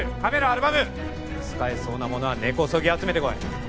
アルバム使えそうな物は根こそぎ集めてこい